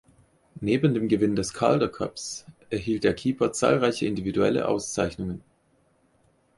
Neben dem Gewinn des Calder Cups erhielt der Keeper zahlreiche individuelle Auszeichnungen.